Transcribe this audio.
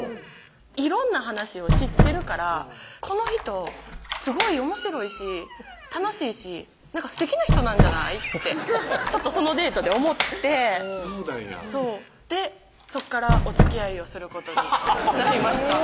色んな話を知ってるからこの人すごいおもしろいし楽しいしすてきな人なんじゃない？ってちょっとそのデートで思ってそうなんやでそこからおつきあいをすることになりました